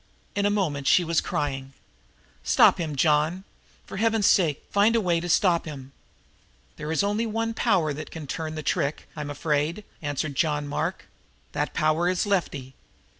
In a moment she was crying: "Stop him, John for Heaven's sake, find a way to stop him." "There is only one power that can turn the trick, I'm afraid," answered John Mark. "That power is Lefty."